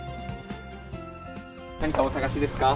何かお探しですか？